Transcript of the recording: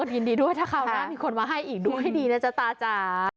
ยินดีด้วยถ้าคราวหน้ามีคนมาให้อีกดูให้ดีนะจ๊ะตาจ๋า